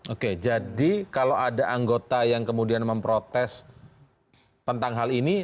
oke jadi kalau ada anggota yang kemudian memprotes tentang hal ini